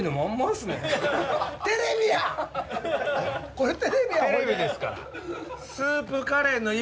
これテレビや！